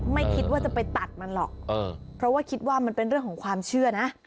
ไม่คิดว่าจะไปตัดมันหรอกเพราะว่าคิดว่ามันเป็นเรื่องของความเชื่อนะ